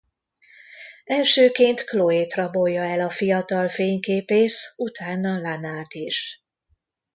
Elsőként Chloe-t rabolja el a fiatal fényképész utána Lana-t is.